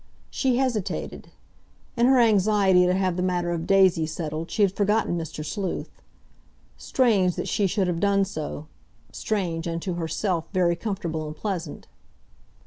She hesitated. In her anxiety to have the matter of Daisy settled, she had forgotten Mr. Sleuth. Strange that she should have done so—strange, and, to herself, very comfortable and pleasant.